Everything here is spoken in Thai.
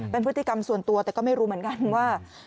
เป็นพฤติกรรมส่วนตัวแต่ก็ไม่รู้เหมือนกันว่า